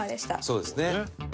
そうですね。